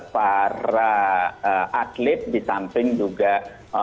para atlet di samping juga